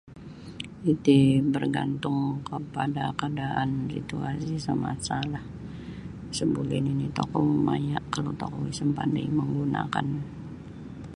iti bargantung kapada kaadaan di itu ari samasalah isa' buli nini' tokou maya' kalau tokou isa' mapandai manggunakan.